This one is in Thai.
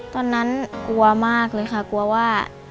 ตอนนั้นกลัวมากเลยค่ะกลัวว่า